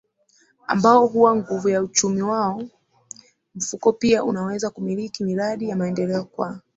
ambao huwa nguvu ya uchumi wao Mfuko pia unaweza kumiliki miradi ya maendeleo kwa